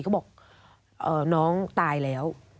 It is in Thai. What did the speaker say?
เขาบอกน้องตายแล้ว